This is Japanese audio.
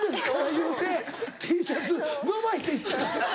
言うてＴシャツ伸ばして行ったん。